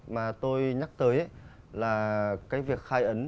mà tôi nhắc tới là cái việc khai ấn